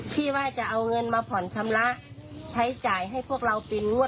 ที่ว่าจะเอาเงินมาผ่อนชำระใช้จ่ายให้พวกเราเป็นงวด